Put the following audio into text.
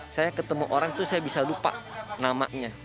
saya ketemu orang itu saya bisa lupa namanya